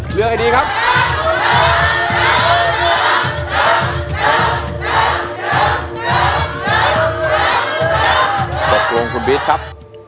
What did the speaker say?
เลือกให้ดีครับ